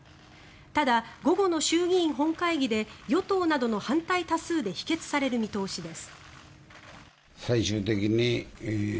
ただ、午後の衆議院本会議で与党などの反対多数で否決される見通しです。